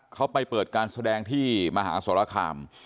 เขาไปเปิดการแสดงที่มหาสรคาม